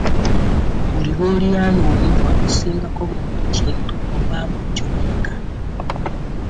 Buli lw'oliraana omuntu akusingako mu buli kintu obaako ky'oyiga.